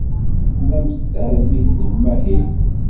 Tlamt tarmit deg umahil?